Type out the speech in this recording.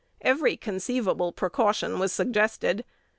Every conceivable precaution was suggested.